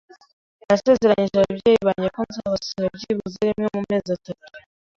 Nasezeranije ababyeyi banjye ko nzabasura byibuze rimwe mu mezi atatu.